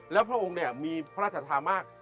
และพระองค์มีพระราชสัทธามาก